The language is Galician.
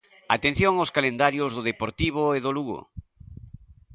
Atención aos calendarios do Deportivo e do Lugo.